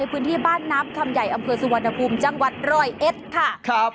พื้นที่บ้านน้ำคำใหญ่อำเภอสุวรรณภูมิจังหวัดร้อยเอ็ดค่ะครับ